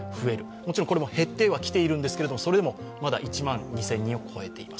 もちろん、これも減ってはきているんですが、１万２０００人を超えています。